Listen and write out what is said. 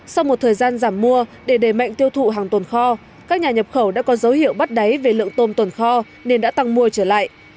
sau một thời gian giảm mua để đề mạnh tiêu thụ hàng tồn kho các nhà nhập khẩu đã có dấu hiệu bắt đáy về lượng tôm tồn kho nên đã tăng mua trở lại